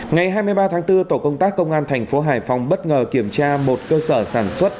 ngày hai mươi ba tháng bốn tổ công tác công an thành phố hải phòng bất ngờ kiểm tra một cơ sở sản xuất